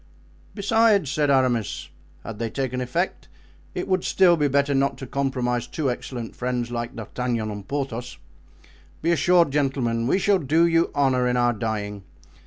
"Besides," said Aramis, "had they taken effect it would be still better not to compromise two excellent friends like D'Artagnan and Porthos. Be assured, gentlemen, we shall do you honor in our dying.